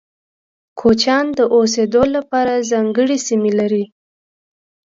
کوچيان د اوسيدو لپاره ځانګړي سیمه نلري.